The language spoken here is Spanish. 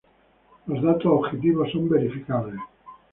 Los datos objetivos son verificables.